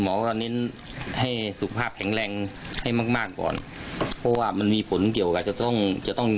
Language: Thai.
หมอก็เน้นให้สุขภาพแข็งแรงให้มากมากก่อนเพราะว่ามันมีผลเกี่ยวกับจะต้องจะต้อง